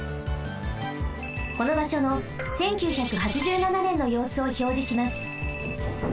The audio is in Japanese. このばしょの１９８７ねんのようすをひょうじします。